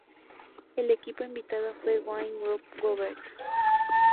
El equipo invitado fue el Wanty-Groupe Gobert.